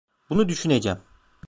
Bunu düşüneceğim.